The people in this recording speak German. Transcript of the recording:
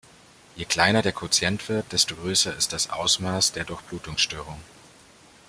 Je kleiner der Quotient wird, desto größer ist das Ausmaß der Durchblutungsstörung.